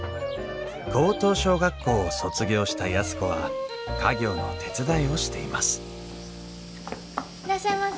高等小学校を卒業した安子は家業の手伝いをしていますいらっしゃいませ。